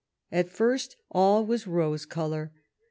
At first all was rose colour.